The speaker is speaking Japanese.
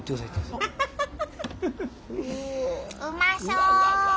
うまそう。